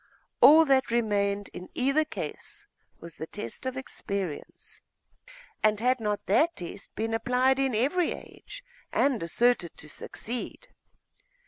All that remained in either case was the test of experience.... And had not that test been applied in every age, and asserted to succeed?